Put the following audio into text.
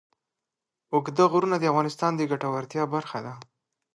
اوږده غرونه د افغانانو د ګټورتیا برخه ده.